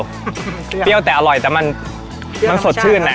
เปรี้ยวเปรี้ยวแต่อร่อยแต่มันมันสดชื่นอ่ะ